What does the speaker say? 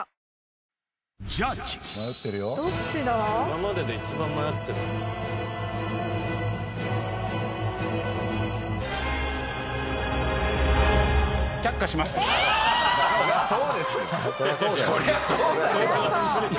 今までで一番迷ってる却下しますえーっ！